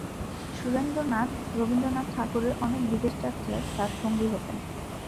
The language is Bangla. সুরেন্দ্রনাথ রবীন্দ্রনাথ ঠাকুরের অনেক বিদেশ যাত্রার তার সঙ্গী হতেন।